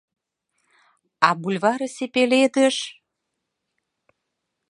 А бульварысе пеледыш?